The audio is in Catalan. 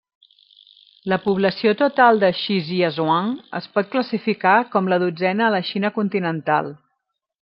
La població total de Shijiazhuang es pot classificar com la dotzena a la Xina continental.